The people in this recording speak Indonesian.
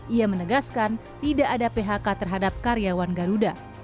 ia menegaskan tidak ada phk terhadap karyawan garuda